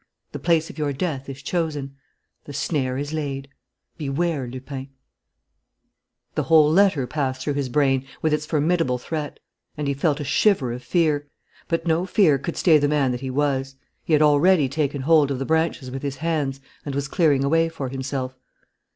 The place of your death is chosen. The snare is laid. Beware, Lupin! The whole letter passed through his brain, with its formidable threat. And he felt a shiver of fear. But no fear could stay the man that he was. He had already taken hold of the branches with his hands and was clearing a way for himself.